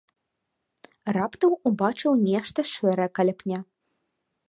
Раптам убачыў нешта шэрае каля пня.